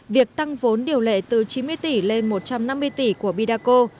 việc tăng vốn điều lệ từ chín mươi tỷ lên một trăm năm mươi tỷ của bidaco